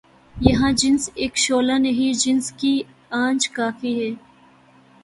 یہاں جنس اک شعلہ نہیں، جنس کی آنچ کافی ہے